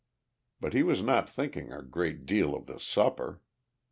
But he was not thinking a great deal of the supper.